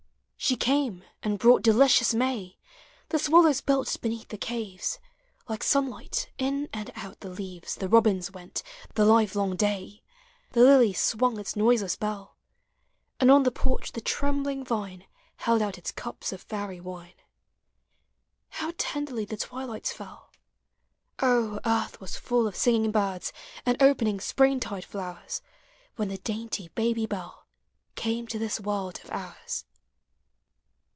She came and brought delicious May; The swallows built beneath the eaves; Like sunlight, in aud out the leaves The robins went, the livelong day; The lily swung its noiseless bell; And on the porch the trembling vine Held out its cups of fairy wine, llow tenderly the twilights fell! O, earth was full of singing birds And opening springtide flowers, When the dainty Baby Bell Came to this world of ours!